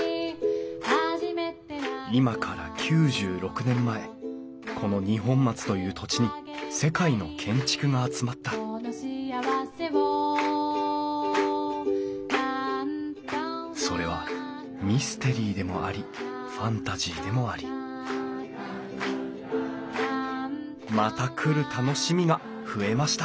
今から９６年前この二本松という土地に世界の建築が集まったそれはミステリーでもありファンタジーでもありまた来る楽しみが増えました